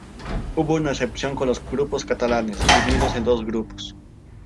Hubo una excepción con los grupos catalanes, divididos en dos grupos.